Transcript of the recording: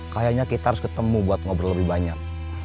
kayaknya kita harus ketemu buat ngobrol lebih banyak